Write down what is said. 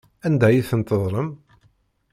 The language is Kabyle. Anda ay ten-tedlem?